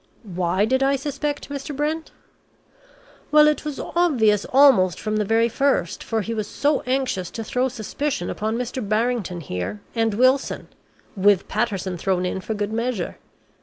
"Why did I suspect Mr. Brent? Well, it was obvious almost from the very first, for he was so anxious to throw suspicion upon Mr. Barrington here, and Wilson with Patterson thrown in for good measure.